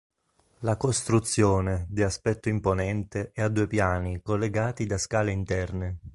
La costruzione, di aspetto imponente, è a due piani, collegati da scale interne.